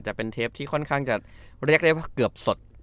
จะเป็นเทปที่ค่อนข้างจะเรียกได้ว่าเกือบสด